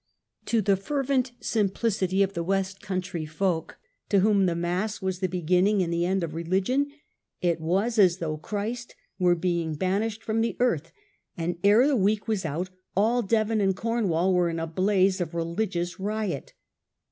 To the fervent simplicity of the west country folk, to whom the mass was the beginning and the end of religion, it was as though Christ were being banished from the earth, and ere the week was out all Devon and Cornwall were in a blaze of religious riot.